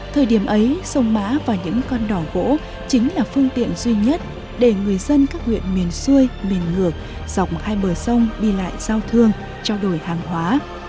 thời điểm ấy sông mã và những con đỏ gỗ chính là phương tiện duy nhất để người dân các huyện miền xuôi miền ngược dọc hai bờ sông đi lại giao thương trao đổi hàng hóa